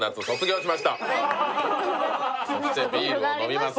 そしてビールを飲みます